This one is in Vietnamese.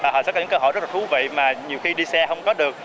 họ sẽ có những câu hỏi rất là thú vị mà nhiều khi đi xe không có được